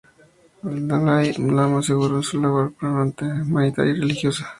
El Dalai Lama aseguró que su labor era puramente humanitaria y religiosa.